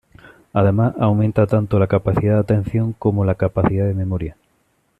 Además, aumenta tanto la capacidad de atención como la capacidad de memoria.